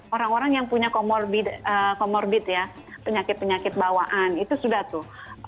orang orang yang punya comorbid ya penyakit penyakit bawaan itu sudah tuh